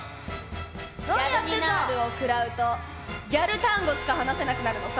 「ギャルニナール」をくらうとギャル単語しか話せなくなるのさ。